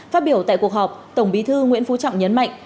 phát biểu tại cuộc họp tổng bí thư nguyễn phú trọng nhấn mạnh